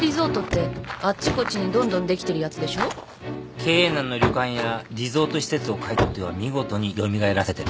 経営難の旅館やリゾート施設を買い取っては見事に蘇らせてる。